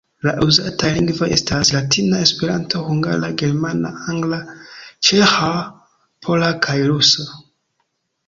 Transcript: La uzitaj lingvoj estas: latina, Esperanto, hungara, germana, angla, ĉeĥa, pola kaj rusa.